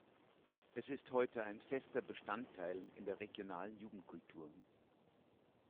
Es ist heute ein fester Bestandteil in der regionalen Jugendkultur.